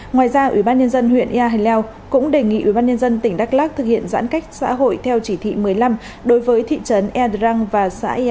ngoài ra ubnd huyện yà hàn leo cũng đề nghị ubnd tỉnh đắk lắc thực hiện giãn cách xã hội theo chỉ thị một mươi năm đối với thị trấn ea drăng và xã yà